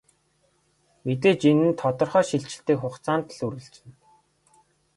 Мэдээж энэ нь тодорхой шилжилтийн хугацаанд л үргэлжилнэ.